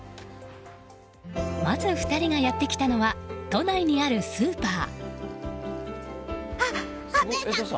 まず２人がやってきたのは都内にあるスーパー。